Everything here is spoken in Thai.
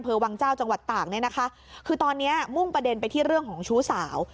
วังเจ้าจังหวัดตากเนี่ยนะคะคือตอนนี้มุ่งประเด็นไปที่เรื่องของชู้สาว